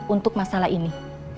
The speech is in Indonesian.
untuk masalah ini